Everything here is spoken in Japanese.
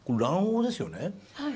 はい。